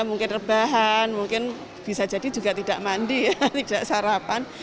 mungkin rebahan mungkin bisa jadi juga tidak mandi ya tidak sarapan